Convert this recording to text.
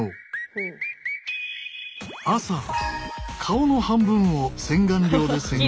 朝顔の半分を洗顔料で洗顔。